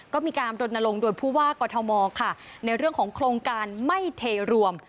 ก็มีการรณรงค์โดยผู้ว่ากอทมค่ะในเรื่องของโครงการไม่เทรวม